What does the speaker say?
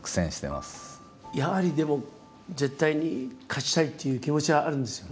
やはりでも絶対に勝ちたいっていう気持ちはあるんですよね？